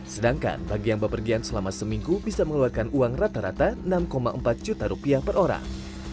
sedangkan bagi yang berpergian selama seminggu bisa mengeluarkan uang rata rata enam empat juta rupiah per orang